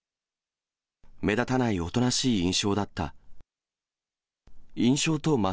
目立たないおとなしい印象だった。